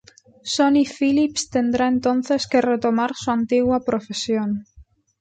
Sonny Phillips tendrá entonces que retomar su antigua profesión.